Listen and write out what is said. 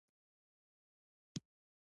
د ونې عمر څنګه معلومیږي؟